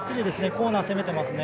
コーナー攻めてますね。